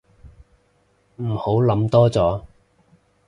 唔好諗多咗